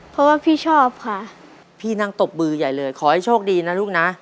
เพราะว่าพี่ชอบค่ะพี่นั่งตบมือใหญ่เลยขอให้โชคดีนะลูกนะ